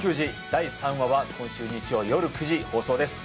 第３話は今週日曜よる９時放送です